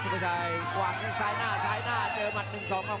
กระทายขวาเลยครับรอยล้าน